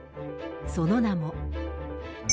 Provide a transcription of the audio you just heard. その名も。